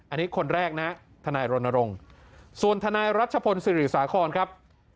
อันนี้คนแรกนะทนายรณรงค์ส่วนทนายรัชพลศิริสาครครับ